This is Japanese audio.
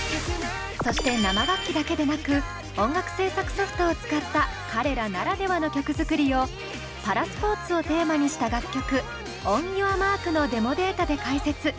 そして生楽器だけでなく音楽制作ソフトを使った彼らならではの曲作りをパラスポーツをテーマにした楽曲「ＯｎＹｏｕｒＭａｒｋ」のデモデータで解説。